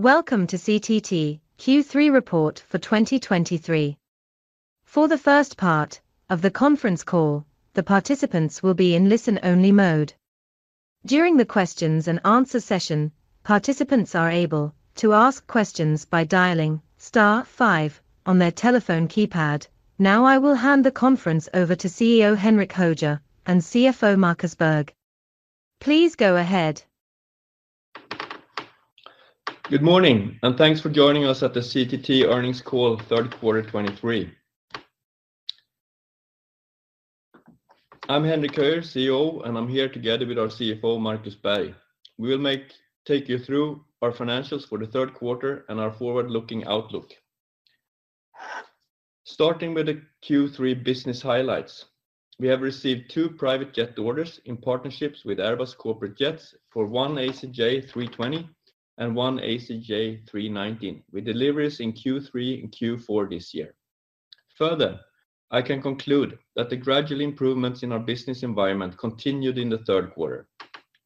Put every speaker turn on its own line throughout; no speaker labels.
Welcome to CTT Q3 report for 2023. For the first part of the conference call, the participants will be in listen-only mode. During the questions and answer session, participants are able to ask questions by dialing star five on their telephone keypad. Now, I will hand the conference over to CEO Henrik Höjer and CFO Markus Berg. Please go ahead.
Good morning, and thanks for joining us at the CTT earnings call, third quarter 2023. I'm Henrik Höjer, CEO, and I'm here together with our CFO, Markus Berg. We will take you through our financials for the third quarter and our forward-looking outlook. Starting with the Q3 business highlights, we have received two private jet orders in partnerships with Airbus Corporate Jets for 1 ACJ320 and 1 ACJ319, with deliveries in Q3 and Q4 this year. Further, I can conclude that the gradual improvements in our business environment continued in the third quarter.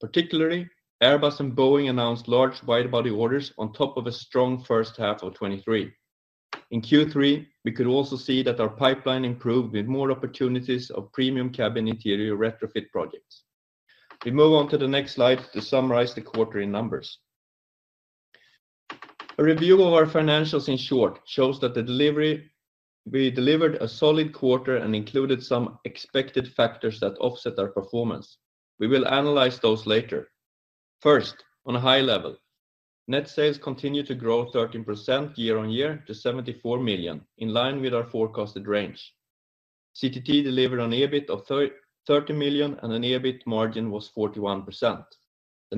Particularly, Airbus and Boeing announced large wide-body orders on top of a strong first half of 2023. In Q3, we could also see that our pipeline improved with more opportunities of premium cabin interior retrofit projects. We move on to the next slide to summarize the quarter in numbers. A review of our financials, in short, shows that the delivery. We delivered a solid quarter and included some expected factors that offset our performance. We will analyze those later. First, on a high level, net sales continued to grow 13% year-over-year to 74 million, in line with our forecasted range. CTT delivered an EBIT of 30 million, and an EBIT margin was 41%. The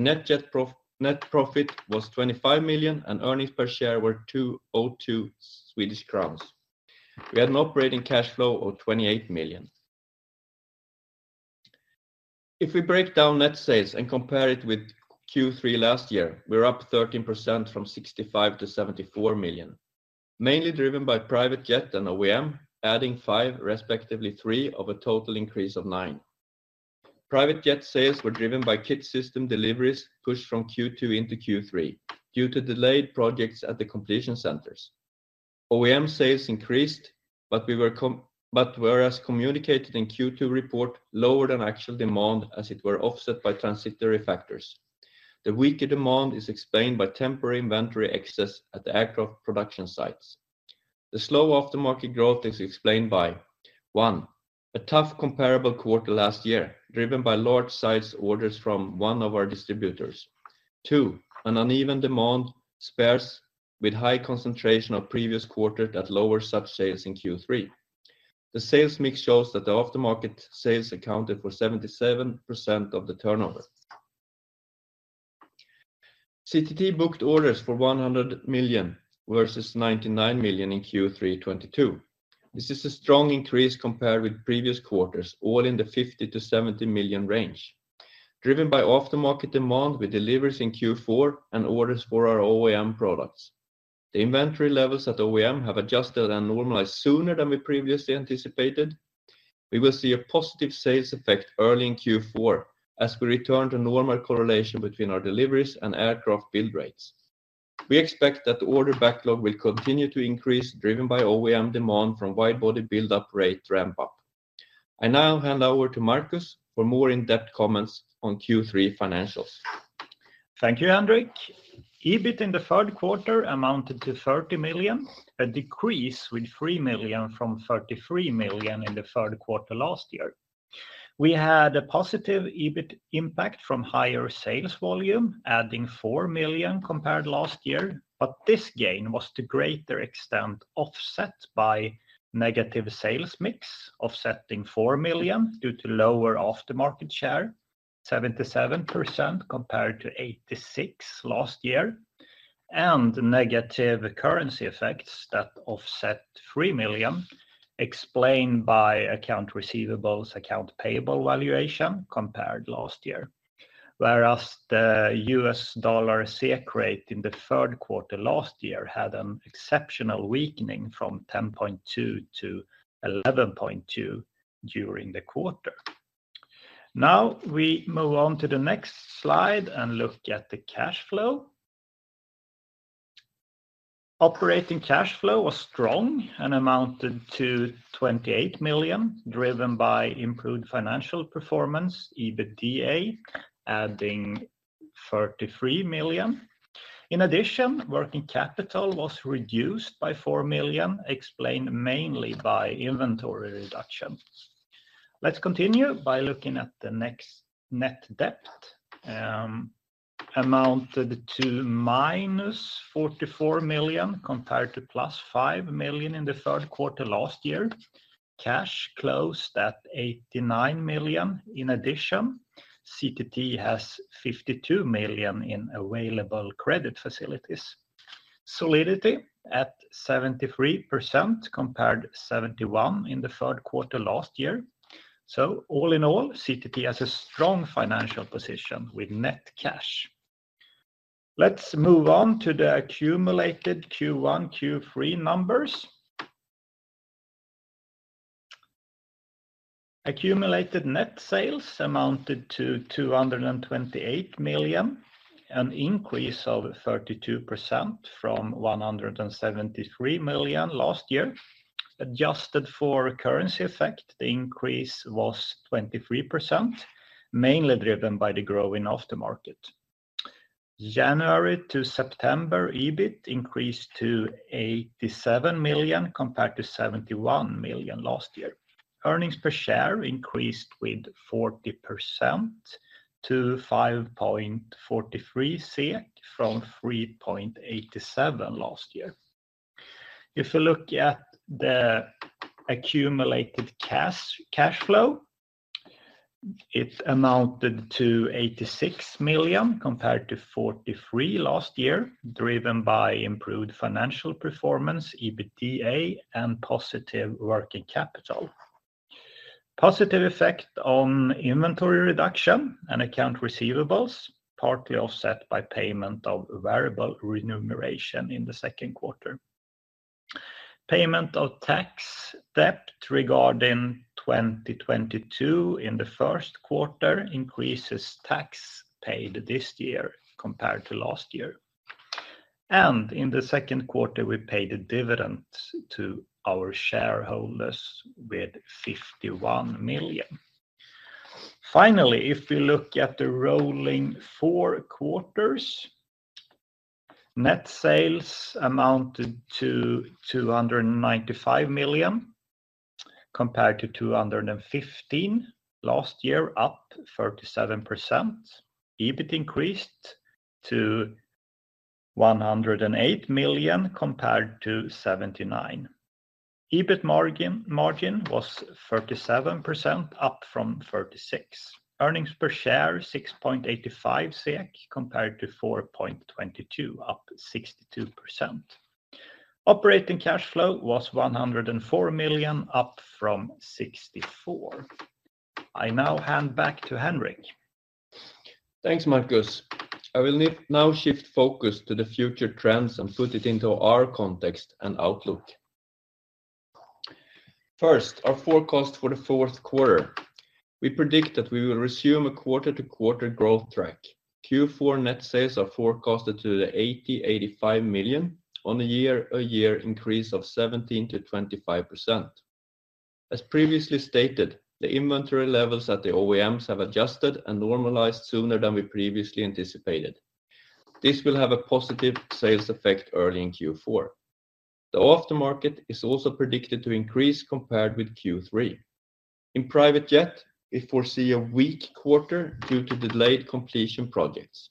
net profit was 25 million, and earnings per share were 2.02 Swedish crowns. We had an operating cash flow of 28 million. If we break down net sales and compare it with Q3 last year, we're up 13% from 65 million to 74 million, mainly driven by private jet and OEM, adding five, respectively three, of a total increase of nine. Private jet sales were driven by kit system deliveries pushed from Q2 into Q3 due to delayed projects at the completion centers. OEM sales increased, but as communicated in Q2 report, lower than actual demand as it were offset by transitory factors. The weaker demand is explained by temporary inventory excess at the aircraft production sites. The slow aftermarket growth is explained by, one, a tough comparable quarter last year, driven by large size orders from one of our distributors. Two, an uneven demand spares with high concentration of previous quarter that lower such sales in Q3. The sales mix shows that the aftermarket sales accounted for 77% of the turnover. CTT booked orders for 100 million versus 99 million in Q3 2022. This is a strong increase compared with previous quarters, all in the 50 million-70 million range, driven by aftermarket demand with deliveries in Q4 and orders for our OEM products. The inventory levels at OEM have adjusted and normalized sooner than we previously anticipated. We will see a positive sales effect early in Q4 as we return to normal correlation between our deliveries and aircraft build rates. We expect that the order backlog will continue to increase, driven by OEM demand from wide-body build-up rate ramp up. I now hand over to Markus for more in-depth comments on Q3 financials.
Thank you, Henrik. EBIT in the third quarter amounted to 30 million, a decrease with 3 million from 33 million in the third quarter last year. We had a positive EBIT impact from higher sales volume, adding 4 million compared last year, but this gain was to greater extent offset by negative sales mix, offsetting 4 million due to lower aftermarket share, 77% compared to 86% last year, and negative currency effects that offset 3 million, explained by accounts receivable, accounts payable valuation compared last year. Whereas the US dollar SEK rate in the third quarter last year had an exceptional weakening from 10.2 to 11.2 during the quarter. Now, we move on to the next slide and look at the cash flow. Operating cash flow was strong and amounted to 28 million, driven by improved financial performance, EBITDA, adding 33 million. In addition, working capital was reduced by 4 million, explained mainly by inventory reduction. Let's continue by looking at the next. Net debt amounted to minus 44 million, compared to plus 5 million in the third quarter last year. Cash closed at 89 million. In addition, CTT has 52 million in available credit facilities. Solidity at 73%, compared to 71% in the third quarter last year. So all in all, CTT has a strong financial position with net cash. Let's move on to the accumulated Q1, Q3 numbers. Accumulated net sales amounted to 228 million, an increase of 32% from 173 million last year. Adjusted for currency effect, the increase was 23%, mainly driven by the growing after market. January to September, EBIT increased to 87 million, compared to 71 million last year. Earnings per share increased with 40% to 5.43 SEK from 3.87 last year. If you look at the accumulated cash flow, it amounted to 86 million compared to 43 million last year, driven by improved financial performance, EBITDA, and positive working capital. Positive effect on inventory reduction and accounts receivable, partly offset by payment of variable remuneration in the second quarter. Payment of tax debt regarding 2022 in the first quarter increases tax paid this year compared to last year. In the second quarter, we paid a dividend to our shareholders with 51 million. Finally, if we look at the rolling four quarters, net sales amounted to 295 million compared to 215 million last year, up 37%. EBIT increased to 108 million compared to 79 million. EBIT margin was 37%, up from 36%. Earnings per share, 6.85 SEK compared to 4.22, up 62%. Operating cash flow was 104 million, up from 64 million. I now hand back to Henrik.
Thanks, Markus. I will now shift focus to the future trends and put it into our context and outlook. First, our forecast for the fourth quarter. We predict that we will resume a quarter-to-quarter growth track. Q4 net sales are forecasted to 80 million-85 million on a year-over-year increase of 17%-25%. As previously stated, the inventory levels at the OEMs have adjusted and normalized sooner than we previously anticipated. This will have a positive sales effect early in Q4. The aftermarket is also predicted to increase compared with Q3. In private jet, we foresee a weak quarter due to delayed completion projects.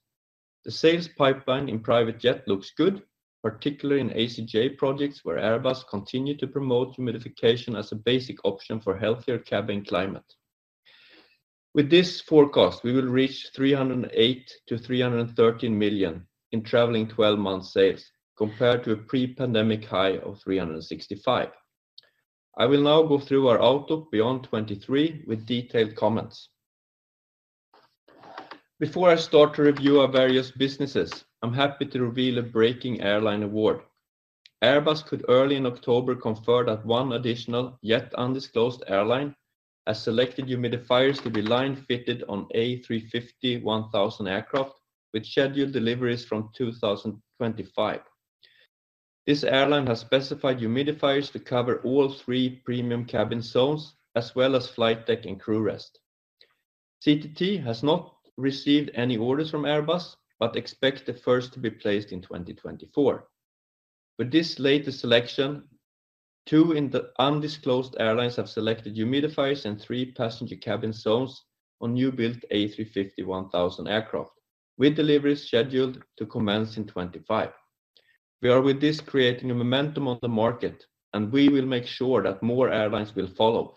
The sales pipeline in private jet looks good, particularly in ACJ projects, where Airbus continue to promote humidification as a basic option for healthier cabin climate. With this forecast, we will reach 308 million-313 million in trailing twelve-month sales, compared to a pre-pandemic high of 365 million. I will now go through our outlook beyond 2023 with detailed comments. Before I start to review our various businesses, I'm happy to reveal a breaking airline order. Airbus today early in October confirmed that one additional, yet undisclosed airline, has selected humidifiers to be line-fitted on A350-1000 aircraft, with scheduled deliveries from 2025. This airline has specified humidifiers to cover all three premium cabin zones, as well as flight deck and crew rest. CTT has not received any orders from Airbus, but we expect the first to be placed in 2024. With this latest selection, two in the undisclosed airlines have selected humidifiers and three passenger cabin zones on new-built A350-1000 aircraft, with deliveries scheduled to commence in 2025. We are with this creating a momentum on the market, and we will make sure that more airlines will follow.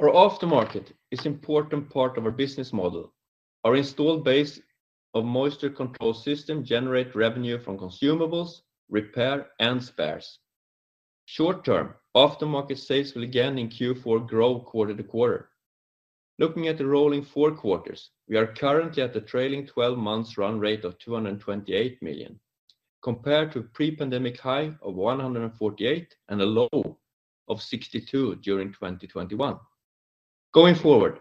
Our aftermarket is important part of our business model. Our installed base of moisture control system generate revenue from consumables, repair, and spares. Short term, aftermarket sales will again in Q4 grow quarter to quarter. Looking at the rolling four quarters, we are currently at the trailing 12 months run rate of 228 million, compared to pre-pandemic high of 148 million and a low of 62 million during 2021. Going forward,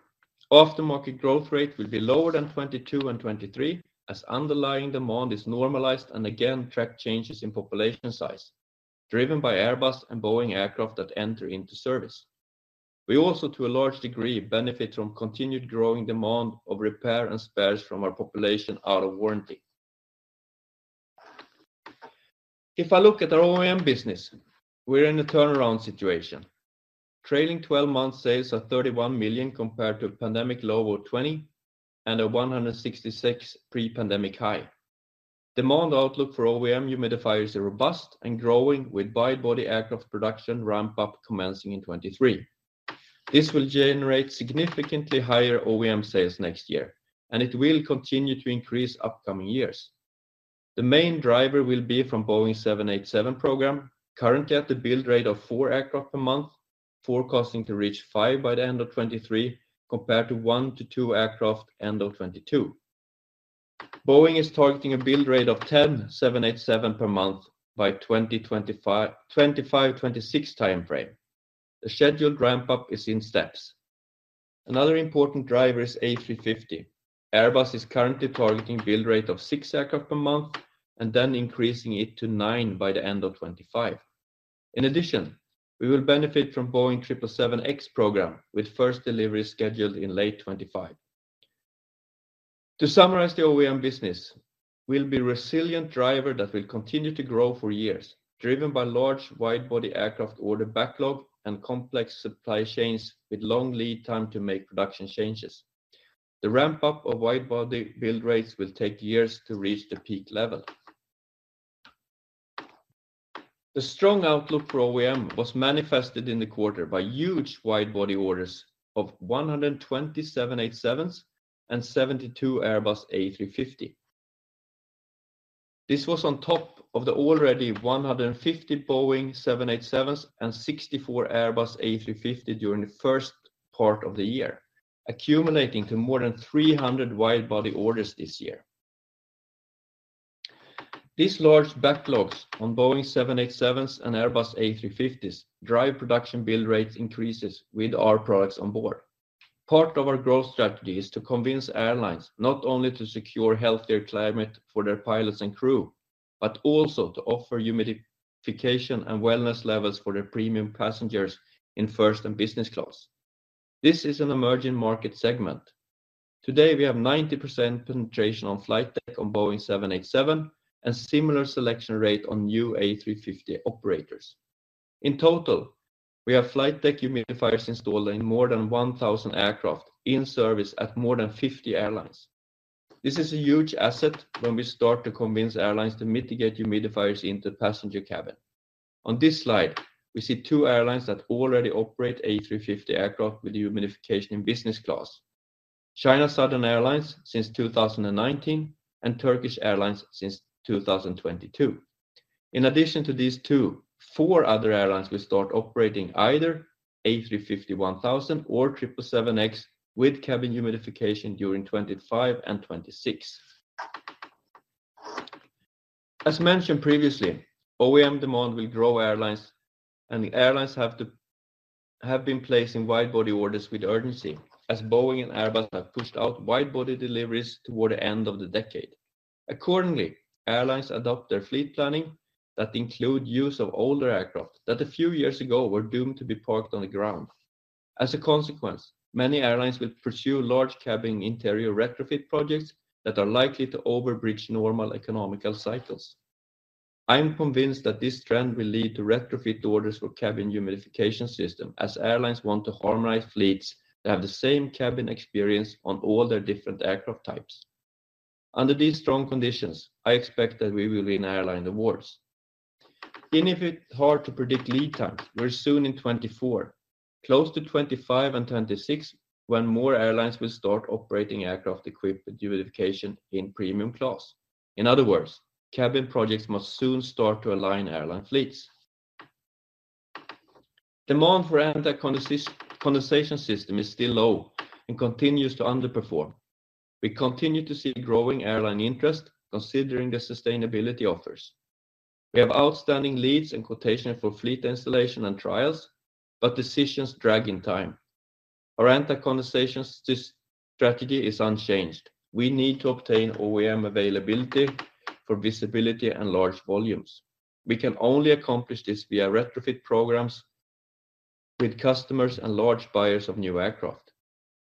aftermarket growth rate will be lower than 2022 and 2023, as underlying demand is normalized and again, track changes in population size, driven by Airbus and Boeing aircraft that enter into service. We also, to a large degree, benefit from continued growing demand of repair and spares from our population out of warranty. If I look at our OEM business, we're in a turnaround situation. Trailing twelve months sales are 31 million compared to a pandemic low of 20 million and a pre-pandemic high of SEK 166 million. Demand outlook for OEM humidifier is robust and growing with wide-body aircraft production ramp up commencing in 2023. This will generate significantly higher OEM sales next year, and it will continue to increase upcoming years. The main driver will be from Boeing 787 program, currently at the build rate of four aircraft per month, forecasting to reach five by the end of 2023, compared to 1-2 aircraft, end of 2022. Boeing is targeting a build rate of ten 787 per month by 2025, 2025-2026 time frame. The scheduled ramp up is in steps. Another important driver is A350. Airbus is currently targeting build rate of six aircraft per month and then increasing it to nine by the end of 2025. In addition, we will benefit from Boeing 777X program, with first delivery scheduled in late 2025. To summarize the OEM business, we'll be resilient driver that will continue to grow for years, driven by large wide-body aircraft order backlog and complex supply chains with long lead time to make production changes. The ramp up of wide-body build rates will take years to reach the peak level. The strong outlook for OEM was manifested in the quarter by huge wide-body orders of 127 787s and 72 Airbus A350s. This was on top of the already 150 Boeing 787s and 64 Airbus A350s during the first part of the year, accumulating to more than 300 wide-body orders this year. These large backlogs on Boeing 787s and Airbus A350s drive production build rates increases with our products on board. Part of our growth strategy is to convince airlines not only to secure healthier climate for their pilots and crew, but also to offer humidification and wellness levels for their premium passengers in first and business class. This is an emerging market segment. Today, we have 90% penetration on flight deck on Boeing 787 and similar selection rate on new A350 operators. In total, we have flight deck humidifiers installed in more than 1,000 aircraft in service at more than 50 airlines. This is a huge asset when we start to convince airlines to mitigate humidifiers into the passenger cabin. On this slide, we see two airlines that already operate A350 aircraft with humidification in business class. China Southern Airlines since 2019, and Turkish Airlines since 2022. In addition to these two, four other airlines will start operating either A350-1000 or 777X with cabin humidification during 2025 and 2026. As mentioned previously, OEM demand will grow airlines, and the airlines have been placing wide-body orders with urgency, as Boeing and Airbus have pushed out wide-body deliveries toward the end of the decade. Accordingly, airlines adopt their fleet planning that include use of older aircraft that a few years ago were doomed to be parked on the ground. As a consequence, many airlines will pursue large cabin interior retrofit projects that are likely to overbridge normal economic cycles. I am convinced that this trend will lead to retrofit orders for cabin humidification system, as airlines want to harmonize fleets that have the same cabin experience on all their different aircraft types. Under these strong conditions, I expect that we will win airline awards. Even if it's hard to predict lead times, we're soon in 2024, close to 2025 and 2026, when more airlines will start operating aircraft equipped with humidification in premium class. In other words, cabin projects must soon start to align airline fleets. Demand for anti-condensation system is still low and continues to underperform. We continue to see growing airline interest considering the sustainability offers. We have outstanding leads and quotation for fleet installation and trials, but decisions drag in time. Our anti-condensation strategy is unchanged. We need to obtain OEM availability for visibility and large volumes. We can only accomplish this via retrofit programs with customers and large buyers of new aircraft.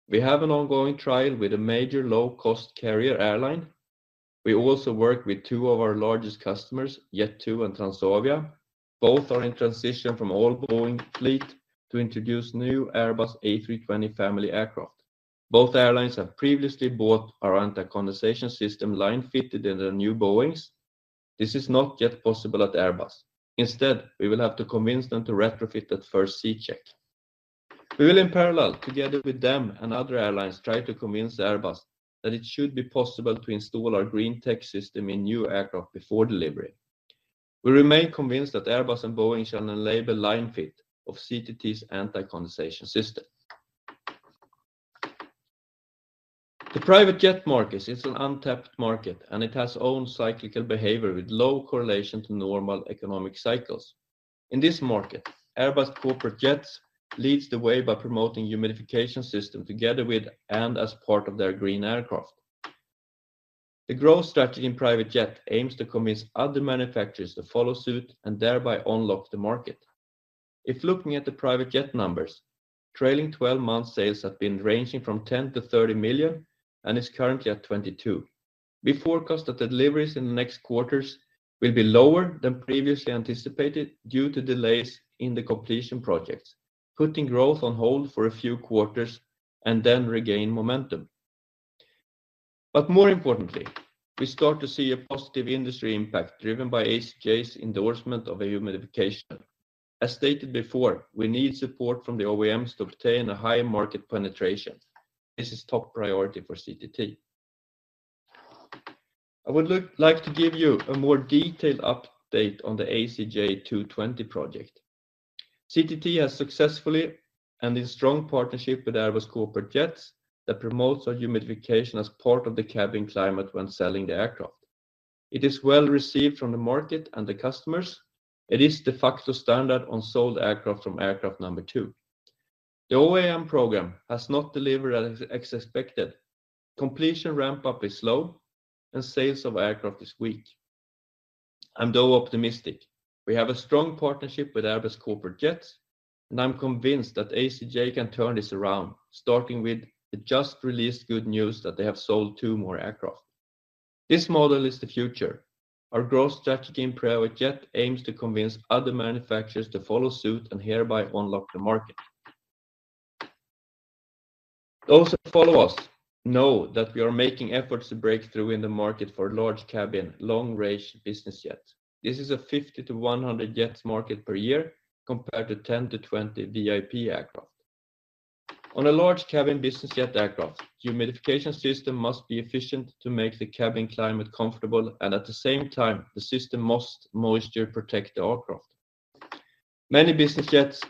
We have an ongoing trial with a major low-cost carrier airline. We also work with two of our largest customers, Jet2 and Transavia. Both are in transition from all Boeing fleet to introduce new Airbus A320 family aircraft. Both airlines have previously bought our anti-condensation system line fitted in their new Boeings. This is not yet possible at Airbus. Instead, we will have to convince them to retrofit at first C-check. We will, in parallel, together with them and other airlines, try to convince Airbus that it should be possible to install our green tech system in new aircraft before delivery. We remain convinced that Airbus and Boeing shall enable line-fit of CTT's anti-condensation system. The private jet market is an untapped market, and it has own cyclical behavior with low correlation to normal economic cycles. In this market, Airbus Corporate Jets leads the way by promoting humidification system together with and as part of their green aircraft. The growth strategy in private jet aims to convince other manufacturers to follow suit and thereby unlock the market. If looking at the private jet numbers, trailing 12-month sales have been ranging from 10 million-30 million and is currently at 22 million. We forecast that deliveries in the next quarters will be lower than previously anticipated due to delays in the completion projects, putting growth on hold for a few quarters and then regain momentum. More importantly, we start to see a positive industry impact driven by ACJ's endorsement of our humidification. As stated before, we need support from the OEMs to obtain a higher market penetration. This is top priority for CTT. I would like to give you a more detailed update on the ACJ TwoTwenty project. CTT has successfully and in strong partnership with Airbus Corporate Jets that promotes our humidification as part of the cabin climate when selling the aircraft. It is well received from the market and the customers. It is the de facto standard on sold aircraft from aircraft number two. The OEM program has not delivered as expected. Completion ramp-up is slow, and sales of aircraft is weak. I'm, though, optimistic. We have a strong partnership with Airbus Corporate Jets, and I'm convinced that ACJ can turn this around, starting with the just released good news that they have sold two more aircraft. This model is the future. Our growth strategy in private jet aims to convince other manufacturers to follow suit and hereby unlock the market. Those who follow us know that we are making efforts to break through in the market for large cabin, long-range business jets. This is a 50-100 jets market per year, compared to 10-20 VIP aircraft. On a large cabin business jet aircraft, humidification system must be efficient to make the cabin climate comfortable, and at the same time, the system must moisture protect the aircraft. Many business jets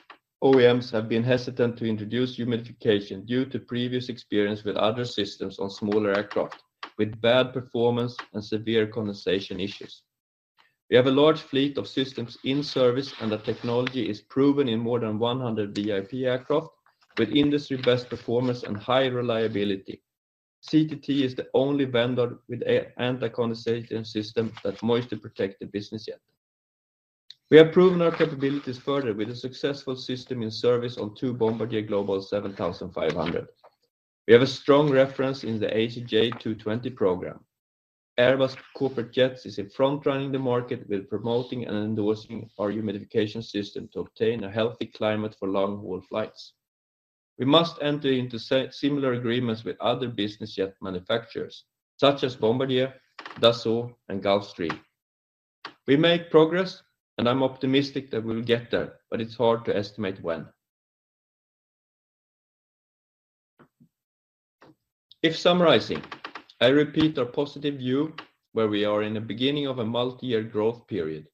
OEMs have been hesitant to introduce humidification due to previous experience with other systems on smaller aircraft, with bad performance and severe condensation issues. We have a large fleet of systems in service, and the technology is proven in more than 100 VIP aircraft, with industry-best performance and high reliability. CTT is the only vendor with an anti-condensation system that moisture protect the business jet. We have proven our capabilities further with a successful system in service on two Bombardier Global 7500. We have a strong reference in the ACJ TwoTwenty program. Airbus Corporate Jets is in front, running the market with promoting and endorsing our humidification system to obtain a healthy climate for long-haul flights. We must enter into similar agreements with other business jet manufacturers, such as Bombardier, Dassault, and Gulfstream. We make progress, and I'm optimistic that we'll get there, but it's hard to estimate when. If summarizing, I repeat our positive view where we are in the beginning of a multi-year growth period.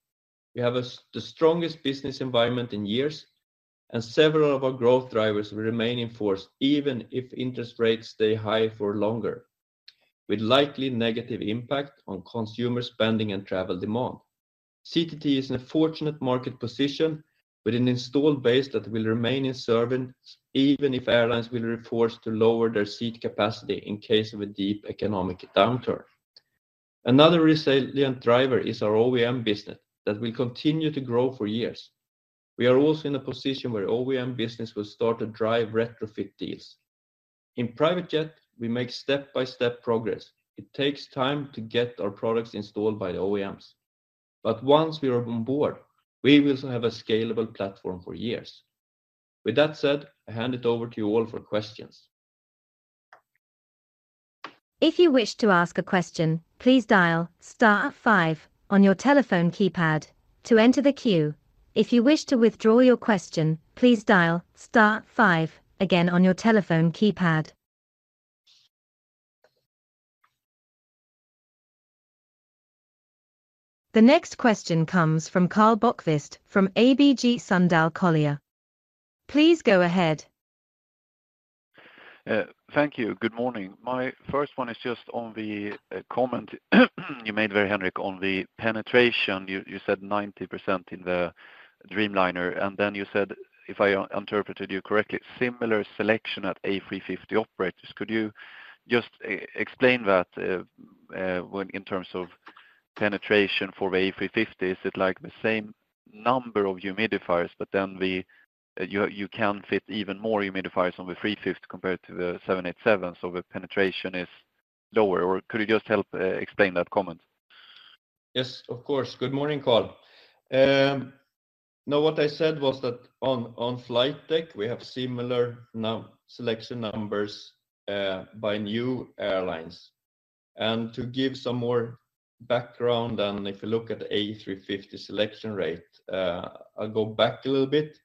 We have the strongest business environment in years, and several of our growth drivers will remain in force even if interest rates stay high for longer, with likely negative impact on consumer spending and travel demand. CTT is in a fortunate market position with an installed base that will remain in service, even if airlines will be forced to lower their seat capacity in case of a deep economic downturn. Another resilient driver is our OEM business that will continue to grow for years. We are also in a position where OEM business will start to drive retrofit deals. In private jet, we make step-by-step progress. It takes time to get our products installed by the OEMs. But once we are on board, we will have a scalable platform for years. With that said, I hand it over to you all for questions.
If you wish to ask a question, please dial star five on your telephone keypad to enter the queue. If you wish to withdraw your question, please dial star five again on your telephone keypad. The next question comes from Karl Bokvist from ABG Sundal Collier. Please go ahead.
Thank you. Good morning. My first one is just on the comment you made, Dear Henrik, on the penetration. You said 90% in the Dreamliner, and then you said, if I interpreted you correctly, similar selection at A350 operators. Could you just explain that, when in terms of penetration for the A350? Is it like the same number of humidifiers, but then you can fit even more humidifiers on the A350 compared to the 787, so the penetration is lower? Or could you just help explain that comment?
Yes, of course. Good morning, Karl. Now, what I said was that on flight deck, we have similar selection numbers by new airlines. And to give some more background, and if you look at A350 selection rate, I'll go back a little bit.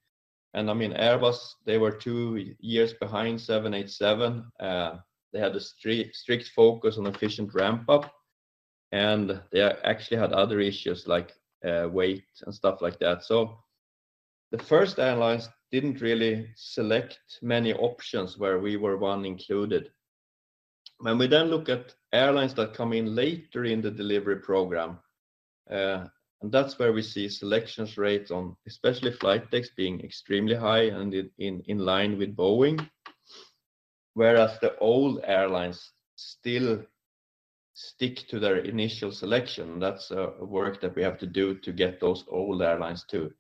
And I mean, Airbus, they were two years behind 787. They had a strict focus on efficient ramp-up, and they actually had other issues like weight and stuff like that. So the first airlines didn't really select many options where we were one included. When we then look at airlines that come in later in the delivery program, and that's where we see selection rates on, especially flight decks being extremely high and in line with Boeing, whereas the old airlines still stick to their initial selection. That's a work that we have to do to get those old airlines to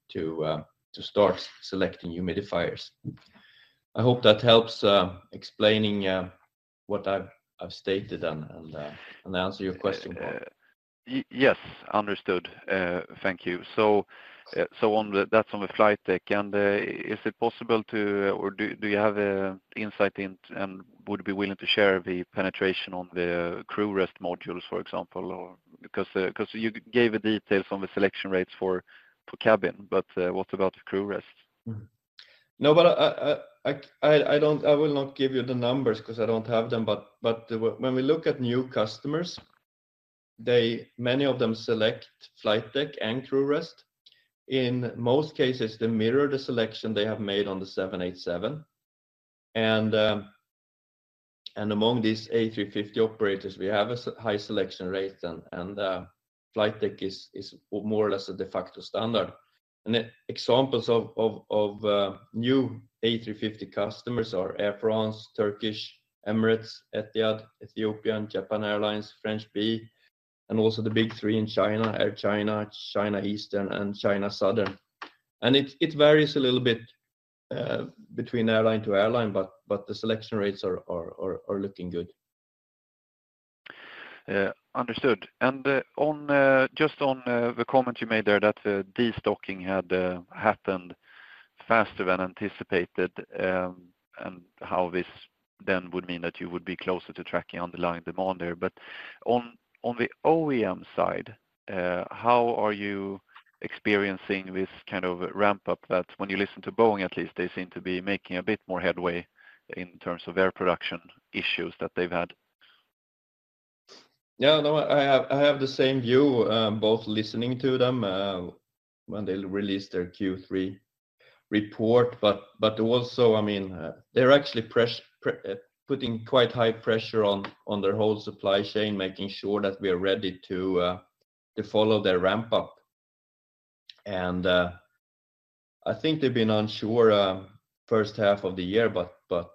start selecting humidifiers. I hope that helps explaining what I've stated and answer your question, Karl.
Yes, understood. Thank you. So, on the-- that's on the flight deck. And, is it possible to, or do you have an insight into and would be willing to share the penetration on the crew rest modules, for example, or? Because, because you gave the details on the selection rates for cabin, but, what about the crew rest?
No, but I don't—I will not give you the numbers 'cause I don't have them. But when we look at new customers, they, many of them select flight deck and crew rest. In most cases, they mirror the selection they have made on the 787. And among these A350 operators, we have a high selection rate, and flight deck is more or less a de facto standard. And examples of new A350 customers are Air France, Turkish, Emirates, Etihad, Ethiopian, Japan Airlines, French bee, and also the big three in China, Air China, China Eastern, and China Southern. And it varies a little bit between airline to airline, but the selection rates are looking good.
Understood. And just on the comment you made there, that destocking had happened faster than anticipated, and how this then would mean that you would be closer to tracking underlying demand there. But on the OEM side, how are you experiencing this kind of ramp-up, that when you listen to Boeing at least, they seem to be making a bit more headway in terms of air production issues that they've had?
Yeah, no, I have the same view, both listening to them, when they released their Q3 report. But, I mean, they're actually putting quite high pressure on their whole supply chain, making sure that we are ready to follow their ramp up. And, I think they've been unsure, first half of the year, but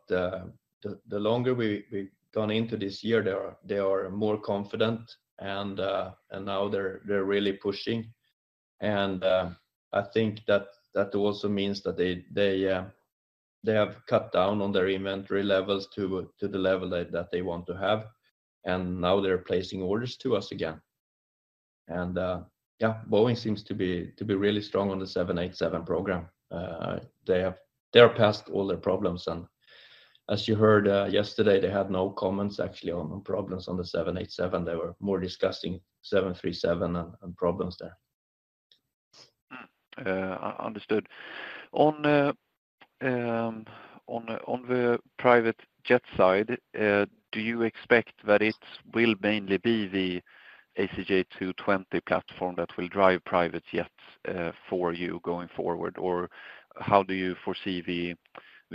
the longer we've gone into this year, they are more confident and now they're really pushing. And, I think that also means that they have cut down on their inventory levels to the level that they want to have, and now they're placing orders to us again. And, yeah, Boeing seems to be really strong on the 787 program. They are past all their problems, and as you heard, yesterday, they had no comments actually on problems on the 787. They were more discussing 737 and problems there.
Understood. On the private jet side, do you expect that it will mainly be the ACJ TwoTwenty platform that will drive private jets for you going forward? Or how do you foresee the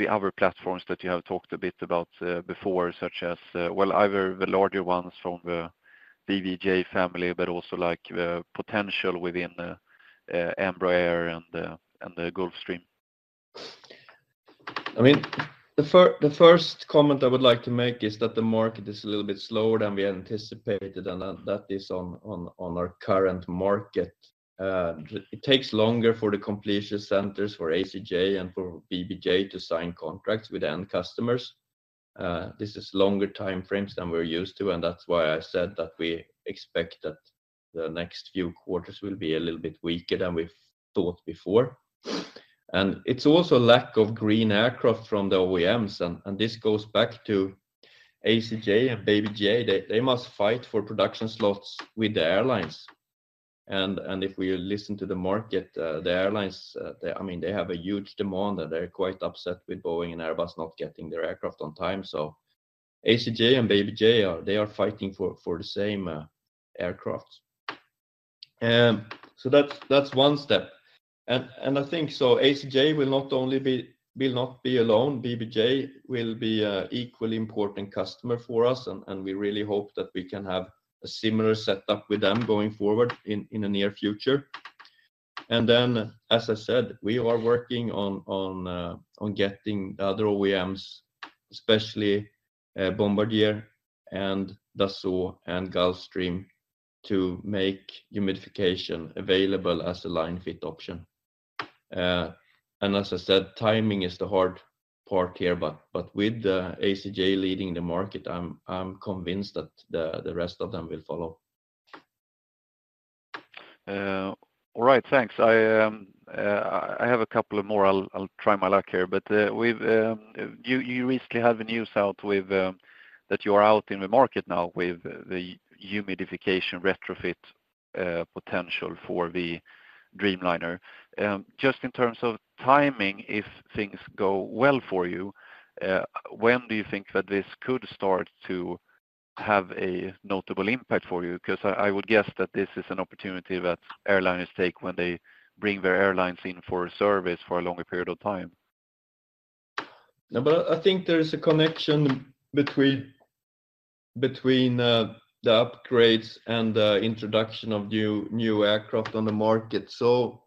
other platforms that you have talked a bit about before, such as, well, either the larger ones from the BBJ family, but also like the potential within the Embraer and the Gulfstream?
I mean, the first comment I would like to make is that the market is a little bit slower than we anticipated, and that is on our current market. It takes longer for the completion centers for ACJ and for BBJ to sign contracts with end customers. This is longer time frames than we're used to, and that's why I said that we expect that the next few quarters will be a little bit weaker than we thought before. And it's also lack of green aircraft from the OEMs, and this goes back to ACJ and BBJ. They must fight for production slots with the airlines. And if we listen to the market, the airlines, I mean, they have a huge demand, and they're quite upset with Boeing and Airbus not getting their aircraft on time. So ACJ and BBJ are, they are fighting for the same aircraft. So that's one step. And I think so ACJ will not only will not be alone, BBJ will be equally important customer for us, and we really hope that we can have a similar setup with them going forward in the near future. And then, as I said, we are working on getting the other OEMs, especially Bombardier and Dassault and Gulfstream, to make humidification available as a line-fit option. And as I said, timing is the hard part here, but with the ACJ leading the market, I'm convinced that the rest of them will follow.
All right, thanks. I have a couple more. I'll try my luck here, but you recently had the news out with that you are out in the market now with the humidification retrofit potential for the Dreamliner. Just in terms of timing, if things go well for you, when do you think that this could start to have a notable impact for you? Because I would guess that this is an opportunity that airliners take when they bring their airlines in for service for a longer period of time.
Yeah, but I think there is a connection between the upgrades and the introduction of new aircraft on the market. So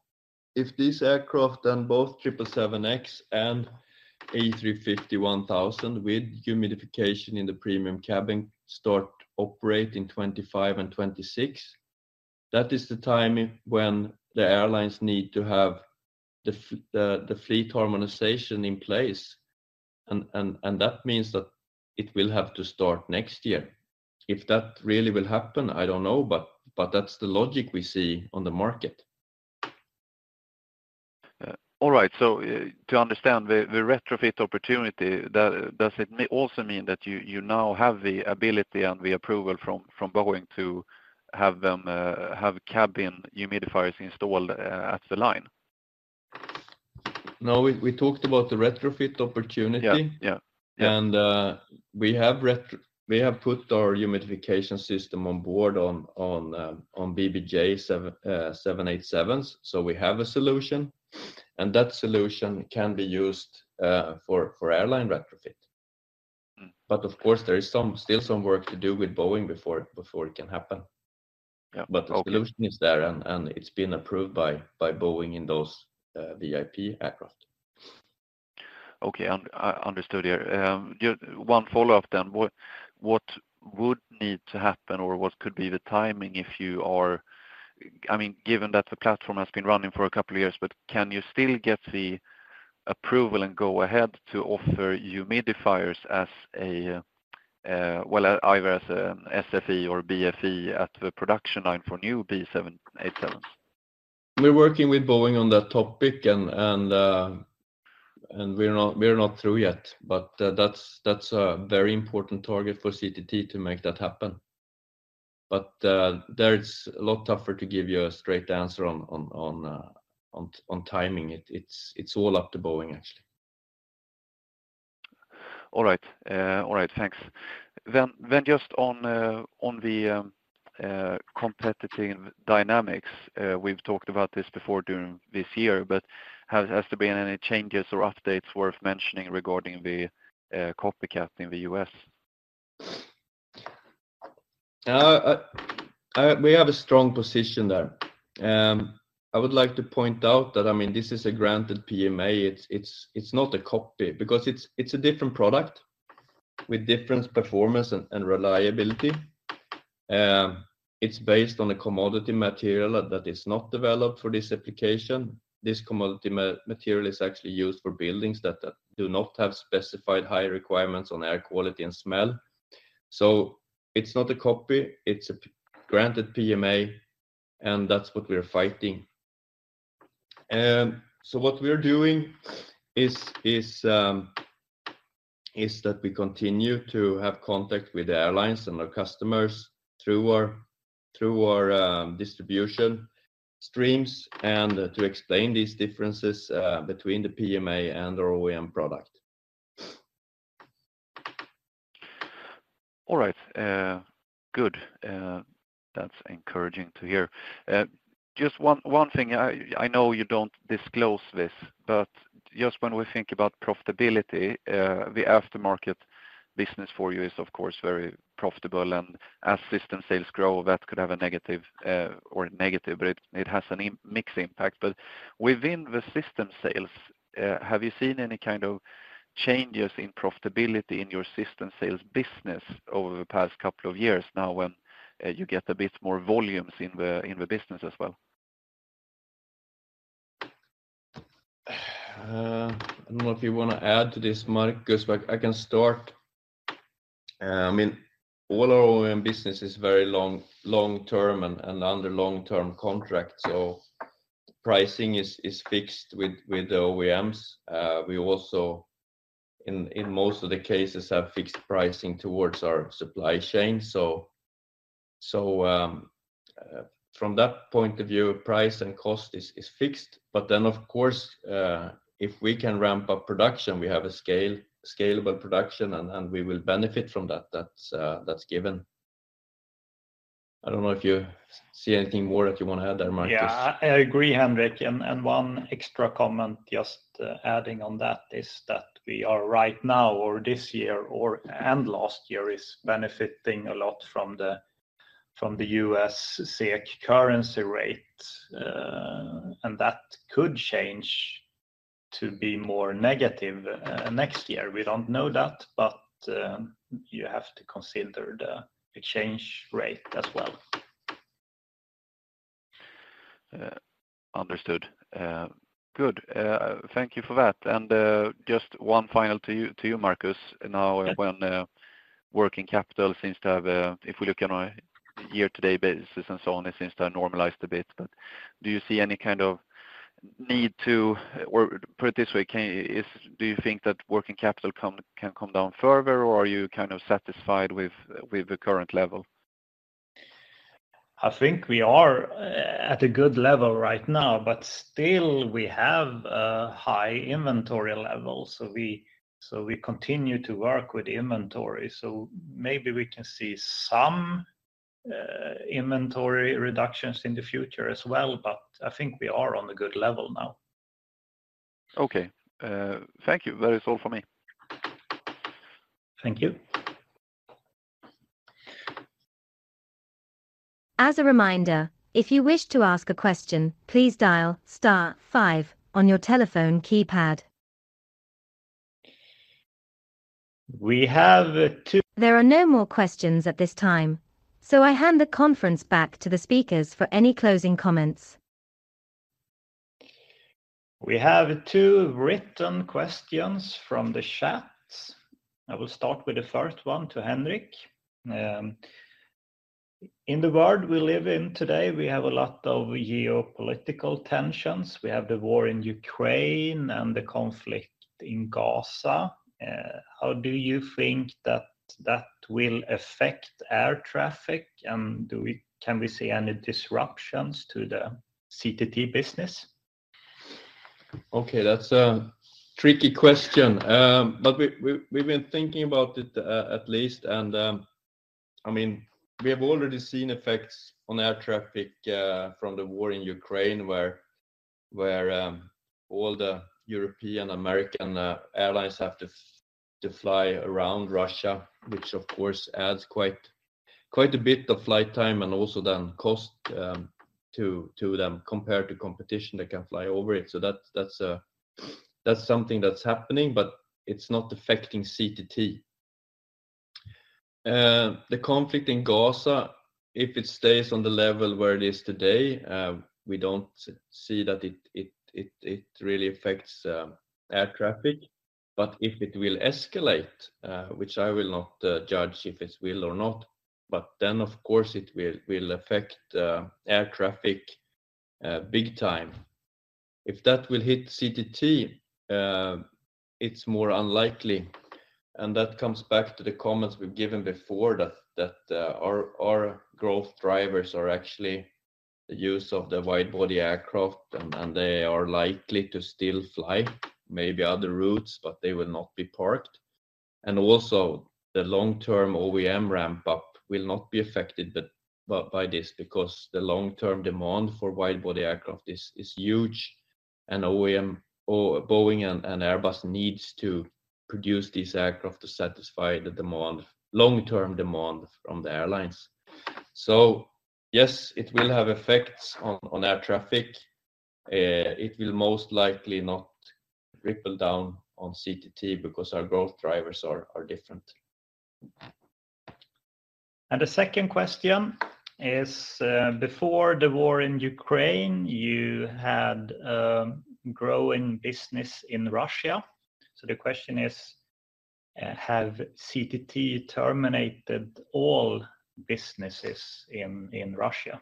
if this aircraft and both 777X and A350-1000 with humidification in the premium cabin start operating 2025 and 2026, that is the time when the airlines need to have the fleet harmonization in place, and that means that it will have to start next year. If that really will happen, I don't know, but that's the logic we see on the market.
All right. So, to understand the retrofit opportunity, does it also mean that you now have the ability and the approval from Boeing to have them have cabin humidifiers installed at the line?
No, we talked about the retrofit opportunity.
Yeah, yeah.
We have put our humidification system on board on BBJ 787s. So we have a solution, and that solution can be used for airline retrofit. But of course, there is still some work to do with Boeing before it can happen.
Yeah.
But the solution is there, and it's been approved by Boeing in those VIP aircraft.
Okay, understood here. Just one follow-up then. What would need to happen, or what could be the timing if you are—I mean, given that the platform has been running for a couple of years, but can you still get the approval and go ahead to offer humidifiers as a, well, either as an SFE or BFE at the production line for new B787s?
We're working with Boeing on that topic, and we're not through yet. But that's a very important target for CTT to make that happen. But there it's a lot tougher to give you a straight answer on timing. It's all up to Boeing, actually.
All right. All right, thanks. Then just on the competitive dynamics, we've talked about this before during this year, but has there been any changes or updates worth mentioning regarding the copycat in the U.S.?
We have a strong position there. I would like to point out that, I mean, this is a granted PMA. It's not a copy because it's a different product with different performance and reliability. It's based on a commodity material that is not developed for this application. This commodity material is actually used for buildings that do not have specified high requirements on air quality and smell. So it's not a copy, it's a granted PMA, and that's what we are fighting. So what we're doing is that we continue to have contact with the airlines and our customers through our distribution streams, and to explain these differences between the PMA and our OEM product.
All right, good. That's encouraging to hear. Just one thing. I know you don't disclose this, but just when we think about profitability, the aftermarket business for you is, of course, very profitable, and as system sales grow, that could have a negative impact, but it has a mixed impact. But within the system sales, have you seen any kind of changes in profitability in your system sales business over the past couple of years now, when you get a bit more volumes in the business as well?
I don't know if you want to add to this, Markus, but I can start. I mean, all our OEM business is very long-term and under long-term contract, so pricing is fixed with the OEMs. We also, in most of the cases, have fixed pricing towards our supply chain. So, from that point of view, price and cost is fixed. But then, of course, if we can ramp up production, we have scalable production, and we will benefit from that. That's given. I don't know if you see anything more that you want to add there, Markus.
Yeah, I agree, Henrik. And one extra comment, just adding on that, is that we are right now, or this year, or and last year, benefiting a lot from the U.S. SEK currency rate. And that could change to be more negative next year. We don't know that, but you have to consider the exchange rate as well.
Understood. Good. Thank you for that. And, just one final to you, to you, Markus.
Yes.
Now, when working capital seems to have, if we look on a year-to-date basis and so on, it seems to have normalized a bit. But do you see any kind of need to? Or put it this way, do you think that working capital can come down further, or are you kind of satisfied with the current level?
I think we are at a good level right now, but still, we have a high inventory level, so we continue to work with inventory. So maybe we can see some inventory reductions in the future as well, but I think we are on a good level now.
Okay. Thank you. That is all for me.
Thank you.
As a reminder, if you wish to ask a question, please dial star five on your telephone keypad.
We have two-
There are no more questions at this time, so I hand the conference back to the speakers for any closing comments.
We have two written questions from the chat. I will start with the first one to Henrik. In the world we live in today, we have a lot of geopolitical tensions. We have the war in Ukraine and the conflict in Gaza. How do you think that will affect air traffic? And can we see any disruptions to the CTT business?...
Okay, that's a tricky question. But we've been thinking about it, at least, I mean, we have already seen effects on air traffic from the war in Ukraine, where all the European, American airlines have to fly around Russia, which of course adds quite a bit of flight time, and also then cost to them, compared to competition that can fly over it. So that's something that's happening, but it's not affecting CTT. The conflict in Gaza, if it stays on the level where it is today, we don't see that it really affects air traffic. But if it will escalate, which I will not judge if it will or not, but then, of course, it will will affect air traffic big time. If that will hit CTT, it's more unlikely, and that comes back to the comments we've given before, that, that, our, our growth drivers are actually the use of the wide-body aircraft, and, and they are likely to still fly, maybe other routes, but they will not be parked. And also, the long-term OEM ramp-up will not be affected but by this, because the long-term demand for wide-body aircraft is, is huge, and OEM, or Boeing and, and Airbus needs to produce these aircraft to satisfy the demand, long-term demand from the airlines. So yes, it will have effects on air traffic. It will most likely not ripple down on CTT because our growth drivers are different.
The second question is, before the war in Ukraine, you had growing business in Russia. So the question is, have CTT terminated all businesses in Russia?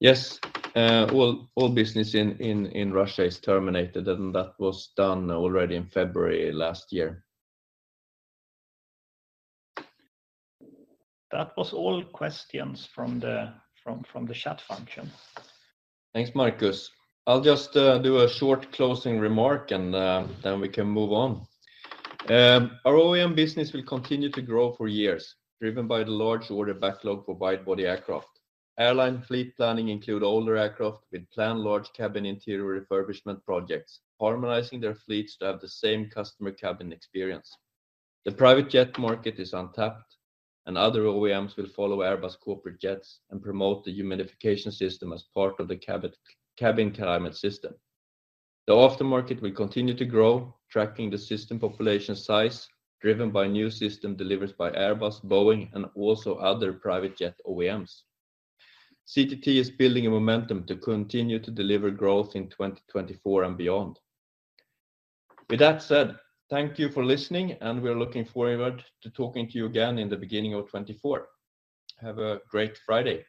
Yes. All business in Russia is terminated, and that was done already in February last year.
That was all questions from the chat function.
Thanks, Markus. I'll just do a short closing remark, and then we can move on. Our OEM business will continue to grow for years, driven by the large order backlog for wide-body aircraft. Airline fleet planning include older aircraft with planned large cabin interior refurbishment projects, harmonizing their fleets to have the same customer cabin experience. The private jet market is untapped, and other OEMs will follow Airbus Corporate Jets and promote the humidification system as part of the cabin climate system. The aftermarket will continue to grow, tracking the system population size, driven by new system deliveries by Airbus, Boeing, and also other private jet OEMs. CTT is building a momentum to continue to deliver growth in 2024 and beyond. With that said, thank you for listening, and we're looking forward to talking to you again in the beginning of 2024. Have a great Friday!